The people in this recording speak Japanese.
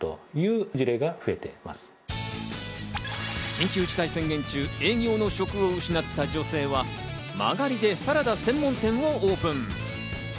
緊急事態宣言中、営業の職を失った女性は間借りでサラダ専門店のオープン。